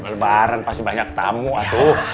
lebaran pasti banyak tamu atau